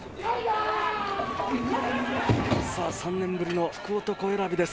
３年ぶりの福男選びです。